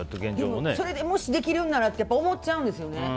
でもそれでもしできるならって思っちゃうんですよね。